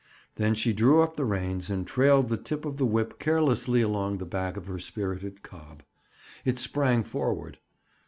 Then she drew up the reins and trailed the tip of the whip caressingly along the back of her spirited cob. It sprang forward.